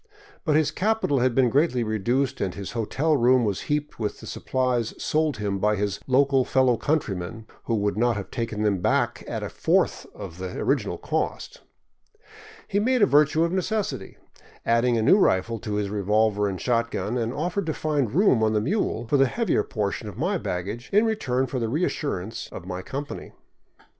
But his capital had been greatly reduced and his hotel room was heaped with the supplies sold him by his local fellow coun trymen, who would not have taken them back at a fourth of the original cost. He made a virtue of necessity, added a new rifle to his revolver and shot gun, and offered to find room on the mule for the heavier portion of my baggage in return for the reassurance of my company.